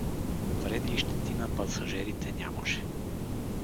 Повреди и щети на пасажерите нямаше.